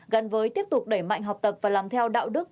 gắn với tiếp tục đẩy mạnh học tập và làm theo đạo đức